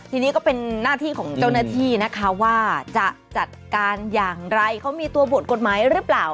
ทีนี้ก็เป็นหน้าที่ของเจ้าหน้าที่นะคะว่าจะจัดการอย่างไรเขามีตัวบทกฎหมายหรือเปล่า